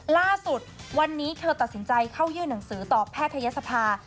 ล่าสุดวันนี้เธอตัดสินใจเข้ายื่นหนังสือต่อแพทยศภา